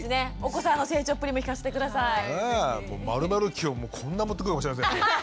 ○○期をこんな持ってくるかもしれません。